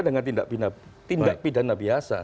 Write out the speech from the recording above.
dengan tindak pidana biasa